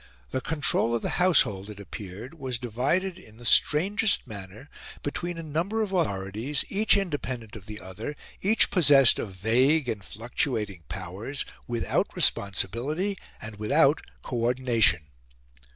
The control of the household, it appeared, was divided in the strangest manner between a number of authorities, each independent of the other, each possessed of vague and fluctuating powers, without responsibility, and without co ordination.